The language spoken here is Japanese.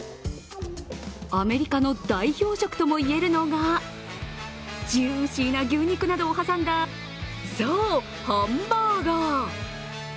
アメリカの代表食ともいえるのが、ジューシーな牛肉などを挟んだそう、ハンバーガー！